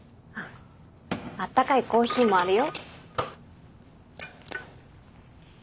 あったかいコーヒーもあるよ。